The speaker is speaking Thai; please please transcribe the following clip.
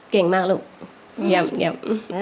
เก่งมากลูกเหยียบ